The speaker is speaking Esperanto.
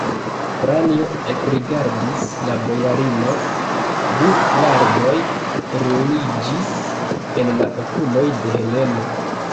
Pranjo ekrigardis la bojarinon: du larmoj ruliĝis el la okuloj de Heleno.